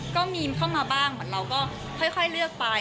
ก็มีเข้ามาบ้างเหมือนเราก็ค่อยเลือกไป